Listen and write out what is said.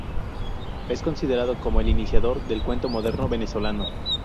Es considerado como el iniciador del cuento moderno venezolano.